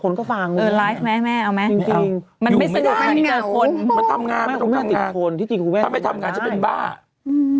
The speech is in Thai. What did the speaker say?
คุณแม่ต้องทำงานทำงานจะเป็นบ้า